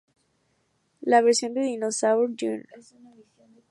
La versión de Dinosaur Jr.